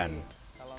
ini udah terus